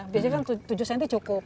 biasanya kan tujuh cm cukup